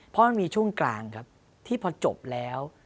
เพราะมันมีช่วงกลางครับที่พอจบแล้ว